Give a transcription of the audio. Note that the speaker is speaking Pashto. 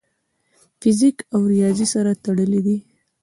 فزیک او ریاضي سره تړلي دي.